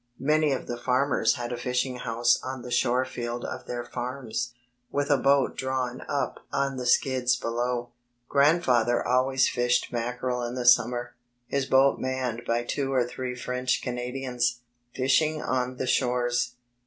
Many of the farmers had a fishing house on the shore field of their farms, with a boat drawn up on the skids below. Grandfather always fished mackerel in the summer, his boat manned by two or three French Gmadians, fishing on the shores.